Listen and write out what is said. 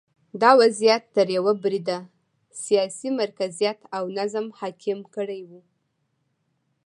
دا وضعیت تر یوه بریده سیاسي مرکزیت او نظم حاکم کړی و